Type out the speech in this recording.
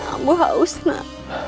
ambu haus nak